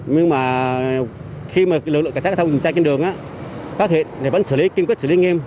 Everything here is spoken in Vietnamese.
nhưng mà khi mà lực lượng cảnh sát giao thông tuần tra trên đường phát hiện thì vẫn xử lý kiên quyết xử lý nghiêm